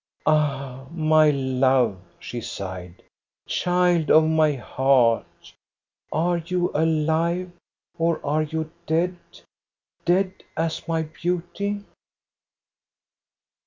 " Ah, my love," she sighed, " child of my heart ! Are you alive, or are you dead, dead as my beauty?"